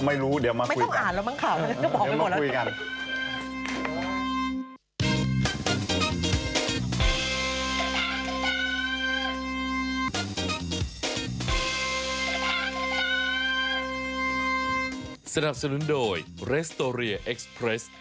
ไม่รู้เดี๋ยวมาคุยกัน